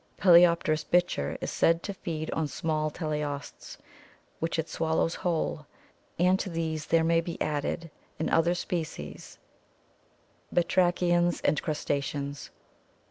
P. bichir is said to feed on small teleosts, which it swallows whole, and to these there may be added, in other species, batrachians and crustaceans.